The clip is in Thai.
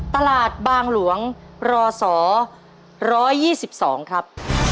ตลาดบางหลวงรศ๑๒๒ครับ